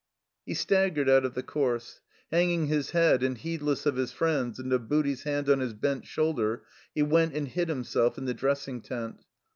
He staggered out of the course. Hanging his head, and heedless of his friends, and of Booty's hand on his bent shoulder, he went and hid himself in the dressing tent.